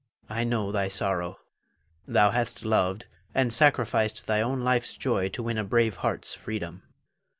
I know thy sorrow. Thou hast loved, and sacrificed thy own life's joy to win a brave heart's freedom.